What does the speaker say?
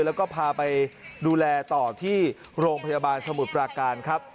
แล้วก็พาไปดูแลต่อที่โรงพยาบาลสมุทรปราการครับ